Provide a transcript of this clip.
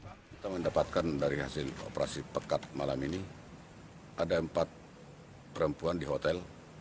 kita mendapatkan dari hasil operasi pekat malam ini ada empat perempuan di hotel